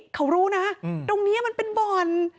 เขารู้นะตรงนี้มันเป็นบ่อน